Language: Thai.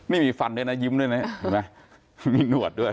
นี่มีฟันด้วยนะยิ้มด้วยนะเห็นไหมมีหนวดด้วย